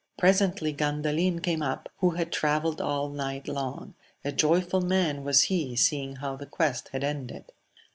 Presently Gandalin came up, who had travelled all night long : a joyful man was he seeing how the quest had ended.